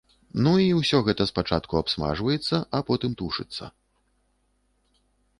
Ну, і ўсё гэта спачатку абсмажваецца, а потым тушыцца.